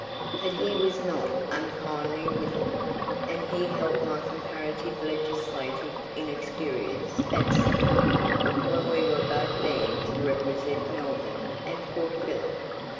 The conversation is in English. But he was not unkindly withal, and he helped my comparative legislative inexperience at Sydney, when we were both there to represent Melbourne and Port Phillip.